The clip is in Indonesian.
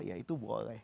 ya itu boleh